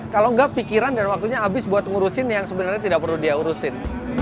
kalau tidak pikiran dan waktunya habis untuk menguruskan yang sebenarnya tidak perlu dia uruskan